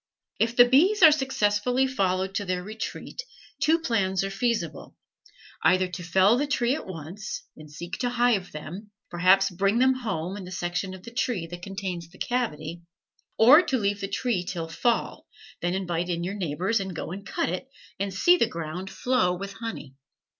If the bees are successfully followed to their retreat, two plans are feasible: either to fell the tree at once, and seek to hive them, perhaps bring them home in the section of the tree that contains the cavity; or to leave the tree till fall, then invite your neighbors, and go and cut it, and see the ground flow with honey.